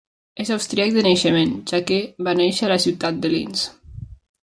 És austríac de naixement, ja que va néixer a la ciutat de Linz.